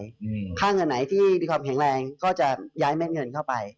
ค่าเงินไหนที่มีความแข็งแรงก็จะย้ายเม็ดเงินเข้าไป